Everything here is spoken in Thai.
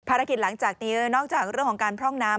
หลังจากนี้นอกจากเรื่องของการพร่องน้ำ